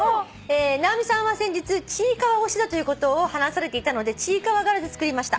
「直美さんは先日ちいかわ推しだということを話されていたのでちいかわ柄で作りました」